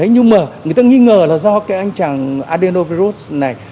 nhưng mà người ta nghi ngờ là do cái anh chàng adenovirus này